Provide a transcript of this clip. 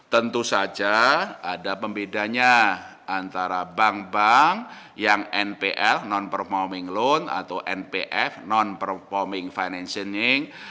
tentu saja ada pembedanya antara bank bank yang npl non performing loan atau npf non performing financing